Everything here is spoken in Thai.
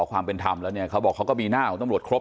ความเป็นธรรมแล้วเนี่ยเขาบอกเขาก็มีหน้าของตำรวจครบ